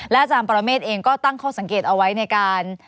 อาจารย์ปรเมฆเองก็ตั้งข้อสังเกตเอาไว้ในการ